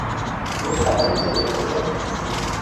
اوس اړينه ده ژوره کړو.